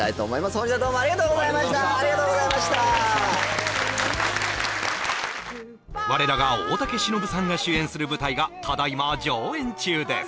本日はどうもありがとうございましたわれらが大竹しのぶさんが主演する舞台がただいま上演中です